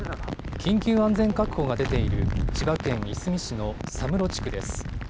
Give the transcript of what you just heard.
緊急安全確保が出ている千葉県いすみ市の佐室地区です。